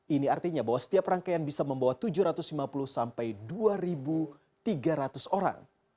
ini artinya bahwa setiap rangkaian bisa membawa tujuh ratus lima puluh sampai dua tiga ratus orang